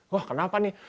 wah kenapa nih